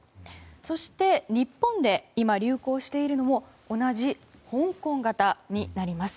そして、日本で今流行しているのも同じ香港型になります。